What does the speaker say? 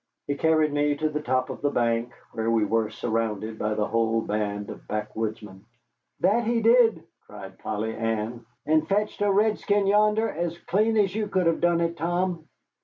He carried me to the top of the bank, where we were surrounded by the whole band of backwoodsmen. "That he did!" cried Polly Ann, "and fetched a redskin yonder as clean as you could have done it, Tom."